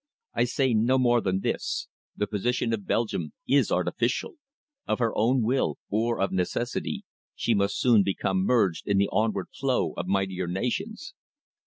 I say no more than this. The position of Belgium is artificial. Of her own will, or of necessity, she must soon become merged in the onward flow of mightier nations."